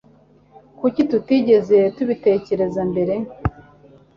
kuki tutigeze tubitekereza mbere